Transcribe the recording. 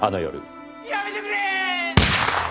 やめてくれー！！